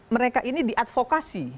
mereka ini diadvokasi